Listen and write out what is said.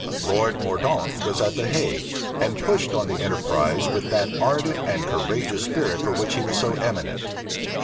Lord Mordaunt was at the Hague, and pushed on the enterprise with that ardent and courageous spirit for which he was so eminent.